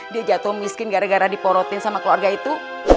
dia jatuh miskin gara gara diporotin sama keluarga itu